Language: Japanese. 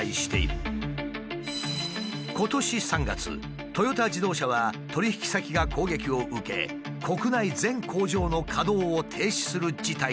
今年３月トヨタ自動車は取引先が攻撃を受け国内全工場の稼働を停止する事態となった。